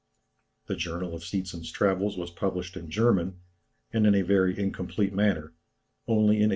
The Journal of Seetzen's travels was published in German, and in a very incomplete manner, only in 1858.